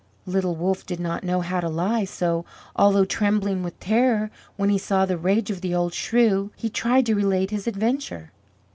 Little Wolff did not know how to lie, so, although trembling with terror when he saw the rage of the old shrew, he tried to relate his adventure.